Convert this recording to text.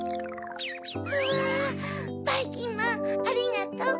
うわばいきんまんありがとう。